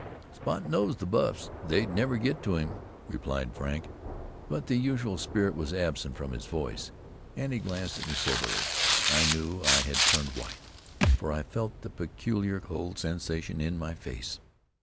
"Spot knows the buffs; they'd never get to him," replied Frank. But the usual spirit was absent from his voice, and he glanced at me soberly. I knew I had turned white, for I felt the peculiar cold sensation on my face.